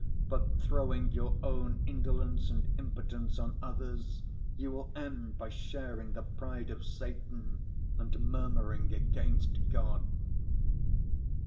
But throwing your own indolence and impotence on others you will end by sharing the pride of Satan and murmuring against God.